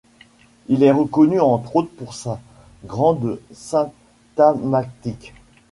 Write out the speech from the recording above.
Il est reconnu entre autres pour sa grande syntagmatique.